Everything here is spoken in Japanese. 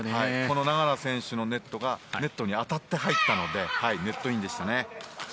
永原選手ネットに当たって入ったのでネットインでしたね。